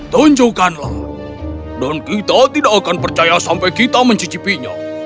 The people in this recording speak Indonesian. tunjukkanlah dan kita tidak akan percaya sampai kita mencicipinya